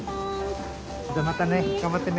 じゃまたね。頑張ってね。